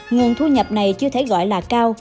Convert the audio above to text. nguồn thu nhập này chưa thể gọi là cao